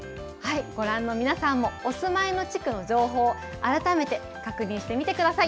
ご覧の皆さんも、お住まいの地区の情報を改めて確認してみてください。